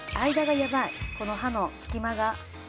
この歯の隙間が。